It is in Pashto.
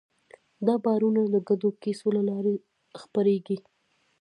دا باورونه د ګډو کیسو له لارې خپرېږي.